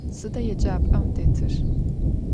Sıda yêcap'em detır?